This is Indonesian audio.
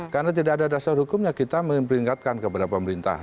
karena tidak ada dasar hukumnya kita ingin mengingatkan kepada pemerintah